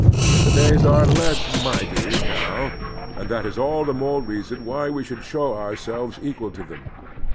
The days are less mighty now, and that is all the more reason why we should show ourselves equal to them.